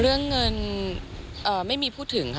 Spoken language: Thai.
เรื่องเงินไม่มีพูดถึงค่ะ